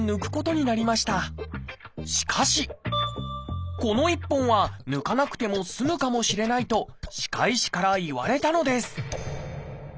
しかしこの１本は抜かなくても済むかもしれないと歯科医師から言われたのです